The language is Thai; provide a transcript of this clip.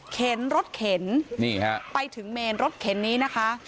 เข็นรถเข็นไปถึงเมนรถเข็นนี้นะคะ